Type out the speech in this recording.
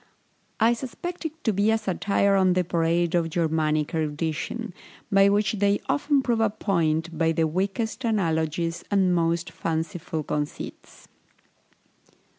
I suspect it to be a satire on the parade of Germanic erudition, by which they often prove a point by the weakest analogies and most fanciful conceits.